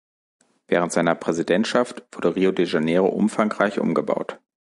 Während seiner Präsidentschaft wurde Rio de Janeiro umfangreich umgebaut.